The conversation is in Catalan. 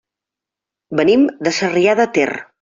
Venim de Sarrià de Ter.